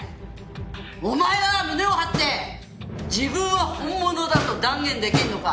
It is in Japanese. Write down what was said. お前は胸を張って自分は本物だと断言できるのか？